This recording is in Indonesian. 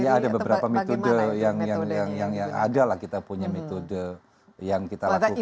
ya ada beberapa metode yang ada lah kita punya metode yang kita lakukan